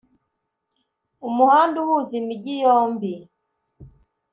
Umuhanda uhuza imijyi yombi.